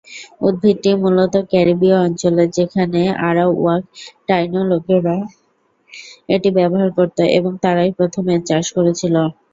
উদ্ভিদটি মূলত ক্যারিবীয় অঞ্চলের, যেখানে আরাওয়াক/টাইনো লোকেরা এটি ব্যবহার করত এবং তারাই প্রথম এর চাষ করেছিল।